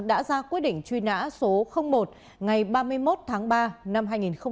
đã ra quyết định truy nã số một ngày ba mươi một tháng ba năm hai nghìn một mươi